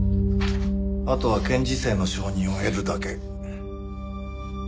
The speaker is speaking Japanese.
あとは検事正の承認を得るだけ。